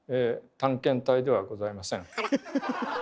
探検隊ではございません。